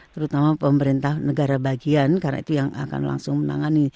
terutama pemerintah negara bagian karena itu yang akan langsung menangani